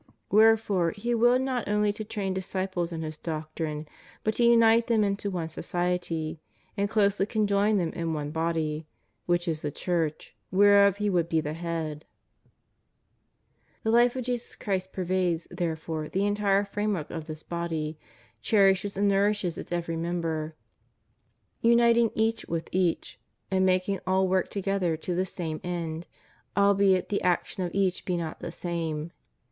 Wherefore He willed not only to train disciples in His doctrine, but to unite them into one society, and closely conjoin them in one body, which is the Church,"^ whereof He would be the Head. * Const. Dei Filius, sub fine. ' Coloss. i. 24. CHIEF DUTIES OF CHRISTIANS AS CITIZENS l&l The life of Jesus Christ pervades, therefore, the entire framework of this body, cherishes and nourishes its every member, imiting each with each, and making all work together to the same end, albeit the action of each be not the same.